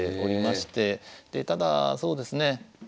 ただそうですね